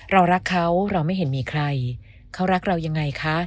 เรารักเขาเราไม่เห็นมีใครเขารักเรายังไงคะ